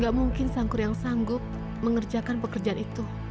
gak mungkin sangguryang sanggup mengerjakan pekerjaan itu